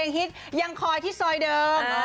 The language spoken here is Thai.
ฮิตยังคอยที่ซอยเดิม